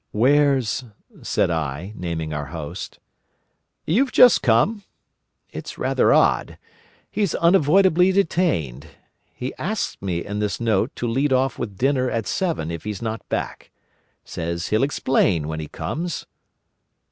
"Where's——?" said I, naming our host. "You've just come? It's rather odd. He's unavoidably detained. He asks me in this note to lead off with dinner at seven if he's not back. Says he'll explain when he comes."